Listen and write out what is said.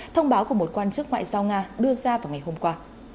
thông báo của một quan chức ngoại giao nga đưa ra vào ngày hôm qua